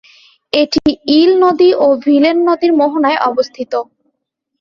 এটি ইল নদী ও ভিলেন নদীর মোহনায় অবস্থিত।